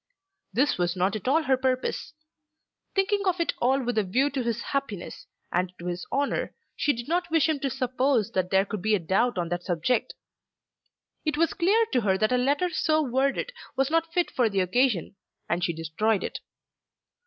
This was not at all her purpose. Thinking of it all with a view to his happiness, and to his honour, she did not wish him to suppose that there could be a doubt on that subject. It was clear to her that a letter so worded was not fit for the occasion, and she destroyed it.